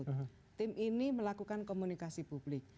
tim ini melakukan komunikasi publik